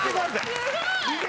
すごい！